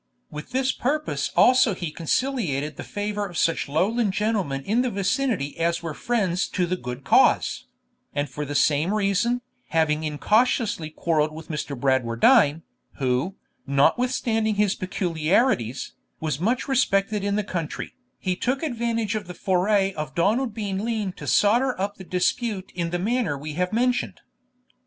With this purpose also he conciliated the favour of such Lowland gentlemen in the vicinity as were friends to the good cause; and for the same reason, having incautiously quarrelled with Mr. Bradwardine, who, notwithstanding his peculiarities, was much respected in the country, he took advantage of the foray of Donald Bean Lean to solder up the dispute in the manner we have mentioned.